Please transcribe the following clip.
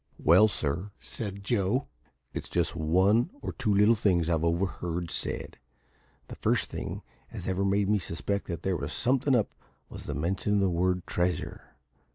"Well, sir," said Joe, "it's just one or two little things I've overheard said. The first thing as ever made me suspect that there was somethin' up was the mention of the word `treasure.'